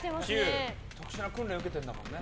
特殊な訓練を受けてるんだもんね。